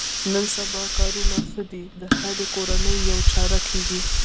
نن سبا کارونه ښه دي د هرې کورنۍ یوه چاره کېږي.